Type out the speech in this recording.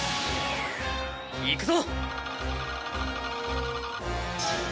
いくぞ！